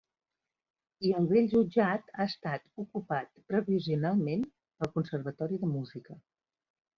I el vell jutjat ha estat ocupat provisionalment pel Conservatori de Música.